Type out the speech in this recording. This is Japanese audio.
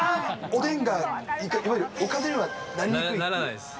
おでんがいわゆるおかずにはならないです。